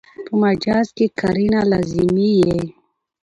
په مجاز کښي قرینه لازمي يي.